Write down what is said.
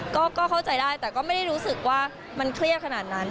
ก็เข้าใจได้แต่ก็ไม่ได้รู้สึกว่ามันเครียดขนาดนั้น